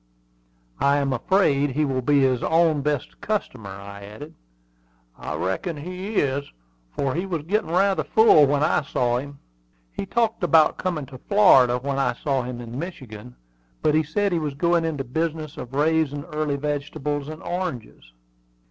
"I am afraid he will be his own best customer," I added. "I reckon he is, for he was getting rather full when I saw him." "He talked about coming to Florida when I saw him in Michigan; but he said he was going into the business of raising early vegetables and oranges."